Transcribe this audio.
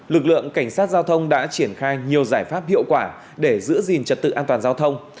lực lượng cảnh sát giao thông đã triển khai nhiều giải pháp hiệu quả để giữ gìn trật tự an toàn giao thông